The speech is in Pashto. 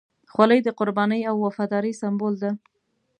خولۍ د قربانۍ او وفادارۍ سمبول ده.